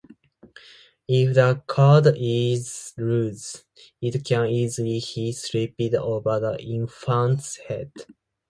If the cord is loose, it can easily be slipped over the infant's head.